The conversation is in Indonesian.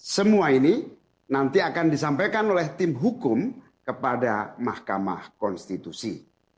semua ini nanti akan disampaikan oleh tim hukum kepada mahkamah konstitusi